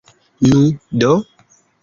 Nu, do?